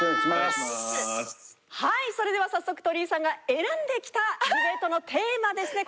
はいそれでは早速鳥居さんが選んできたディベートのテーマですね